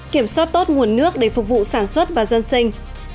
kiểm soát tốt nguồn nước để phục vụ sản xuất và dân sinh